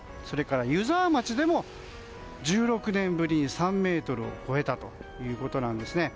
それから湯沢町でも１６年ぶりに３ｍを超えたということです。